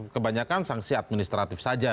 kebanyakan sanksi administratif saja